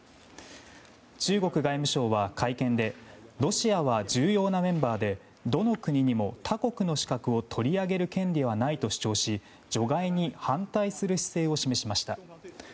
中国外務省は会見でロシアは重要なメンバーでどの国にも他国の資格を取り上げる権利はないと主張し除外に反対する姿勢を示しました。